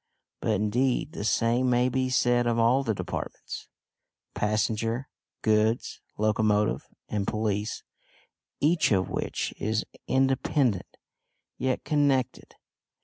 But indeed the same may be said of all the departments passenger, goods, locomotive, and police, each of which is independent, yet connected.